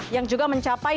yang juga mencapai